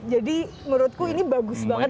jadi menurutku ini bagus banget